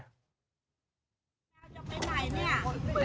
จะไปไหนเนี่ย